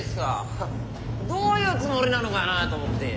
どういうつもりなのかなと思って。